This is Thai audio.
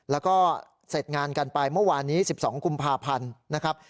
แล้วก็เสร็จงานกันไปเมื่อวานนี้๑๒กุมภาพันธ์นะครับ